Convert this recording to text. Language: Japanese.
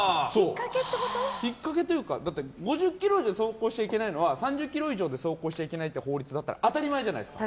ひっかけというか５０キロ以上で走行しちゃいけないのは３０キロ以上で走行しちゃいけないという法律だったら当たり前じゃないですか。